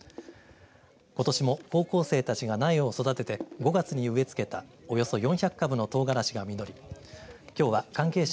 ことしも高校生たちが苗を育てて５月に植えつけたおよそ４００株のトウガラシが実りきょうは関係者